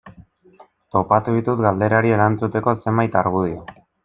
Topatu ditut galderari erantzuteko zenbait argudio.